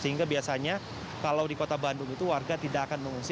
sehingga biasanya kalau di kota bandung itu warga tidak akan mengungsi